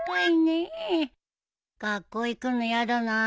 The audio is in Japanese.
学校行くのやだな。